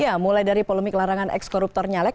ya mulai dari polemik larangan ekskoruptor nyalek